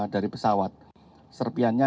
dari pesawat serpiannya